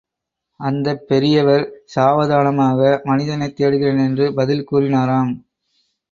அந்தப் பெரியவர் சாவதானமாக, மனிதனைத் தேடுகிறேன் என்று பதில் கூறினாராம்.